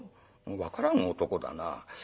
「分からん男だな。